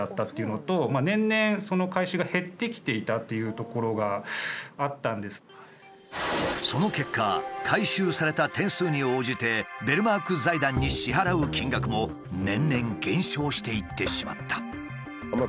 もともとその結果回収された点数に応じてベルマーク財団に支払う金額も年々減少していってしまった。